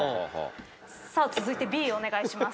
さあ続いてＢお願いします。